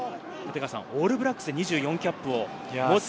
オールブラックスで２４キャップを持つ。